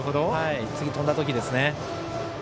次に飛んだ時にですね。